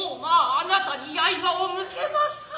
あなたに刃を向けます。